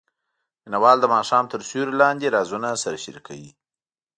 مینه وال د ماښام تر سیوري لاندې رازونه سره شریکوي.